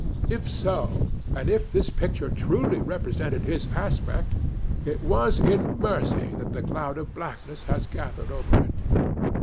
If so, and if this picture truly represented his aspect, it was in mercy that the cloud of blackness has gathered over it."